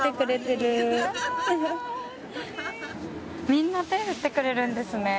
みんな手、振ってくれるんですね。